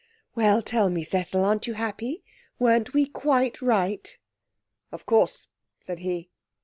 'Well, tell me, Cecil, aren't you happy? Weren't we quite right?' 'Of course,' said he.